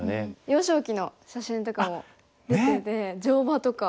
幼少期の写真とかも出てて乗馬とか。